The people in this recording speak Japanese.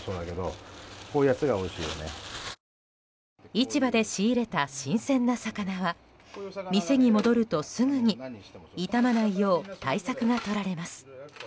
市場で仕入れた新鮮な魚は店に戻るとすぐに傷まないよう対策がとられます。